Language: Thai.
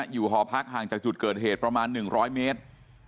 หอพักห่างจากจุดเกิดเหตุประมาณ๑๐๐เมตร